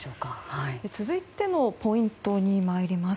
続いてのポイントに参ります。